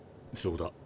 そうだ。